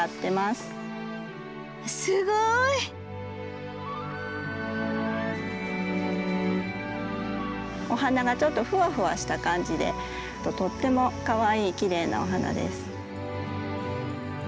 すごい！お花がちょっとふわふわした感じでとってもかわいいきれいなお花です。